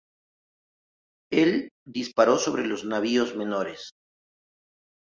El disparó sobre los navíos menores.